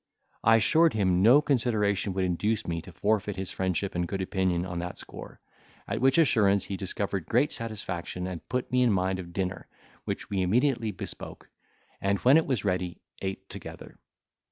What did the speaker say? I assured him no consideration would induce me to forfeit his friendship and good opinion on that score; at which assurance he discovered great satisfaction, and put me in mind of dinner, which we immediately bespoke, and when it was ready, ate together.